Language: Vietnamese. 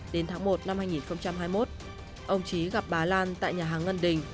đến tháng một năm hai nghìn hai mươi một ông trí gặp bà lan tại nhà hàng ngân đình